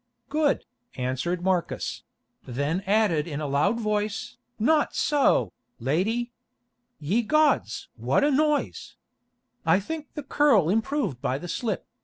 "Good," answered Marcus; then added in a loud voice, "Not so, lady. Ye gods! what a noise! I think the curl improved by the slip.